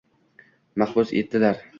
Mahbus etdilar –